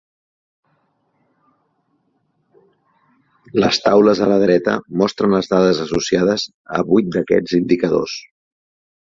Les taules a la dreta mostren les dades associades a vuit d'aquests indicadors.